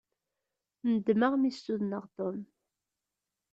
Nedmeɣ mi ssudneɣ Tom.